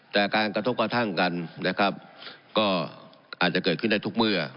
แต่การกระทบกระทั่งกันนะครับก็อาจจะเกิดขึ้นได้ทุกเมื่อ